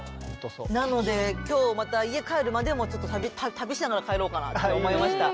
なので今日また家帰るまでもちょっと旅しながら帰ろうかなと思いました。